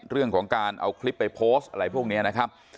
เรื่องของการเอาคลิปไปโพสต์อะไรพวกนี้นะครับ